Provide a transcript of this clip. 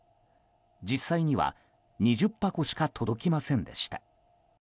実際には、２０箱しか届きませんでした。